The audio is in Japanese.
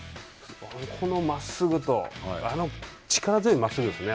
このまっすぐとあの力強い真っすぐですね。